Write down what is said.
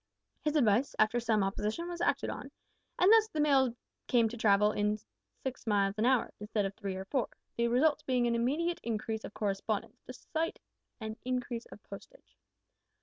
His advice, after some opposition, was acted on, and thus the mails came to travel six miles an hour, instead of three or four the result being an immediate increase of correspondence, despite an increase of postage.